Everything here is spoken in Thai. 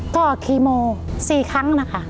ก็คีโม๔ครั้งนะคะ